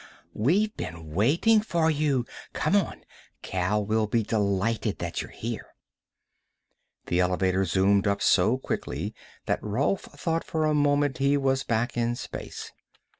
"We've been waiting for you. Come on; Kal will be delighted that you're here." The elevator zoomed up so quickly that Rolf thought for a moment that he was back in space.